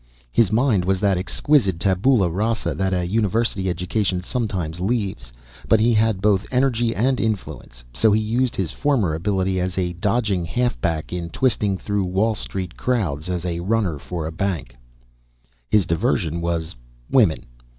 His mind was that exquisite TABULA RASA that a university education sometimes leaves, but he had both energy and influence, so he used his former ability as a dodging half back in twisting through Wall Street crowds as runner for a bank. His diversion was women.